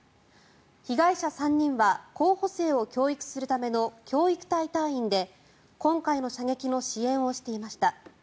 被害者３人は候補生を教育するための教育隊隊員で今回の射撃の支援をしていました。